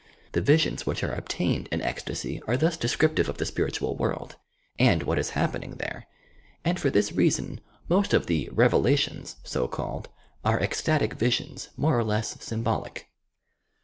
The visions which are obtained in ecstasy are thus descriptive of the spiritual world, and what is happening there, and for this reason most of the "Revelations," socalled, are ecstatic visions more or less symbolic.